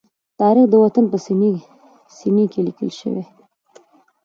تاریخ د وطن په سینې کې لیکل شوی.